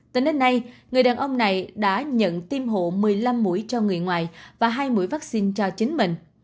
từ nơi này người đàn ông này đã nhận tiêm hộ một mươi năm mũi cho người ngoài và hai mũi vắc xin cho chính mình